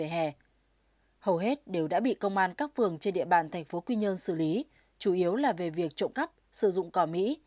hầu hết đều đã bị công an các phường trên địa bàn thành phố quy nhơn xử lý chủ yếu là về việc trộm cắp sử dụng cỏ mỹ